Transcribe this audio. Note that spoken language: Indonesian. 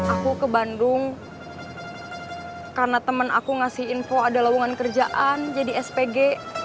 aku ke bandung karena temen aku ngasih info ada lawangan kerjaan jadi spg